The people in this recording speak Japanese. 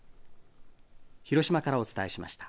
広島からお伝えしました。